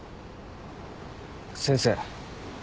先生。